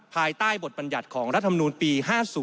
ภายใต้บทบัญญัติของรัฐมนูลปี๕๐